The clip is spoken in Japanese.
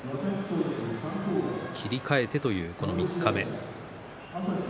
切り替えてという、この三日目。